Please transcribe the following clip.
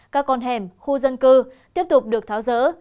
các con hẻm khu dân cư tiếp tục được tháo rỡ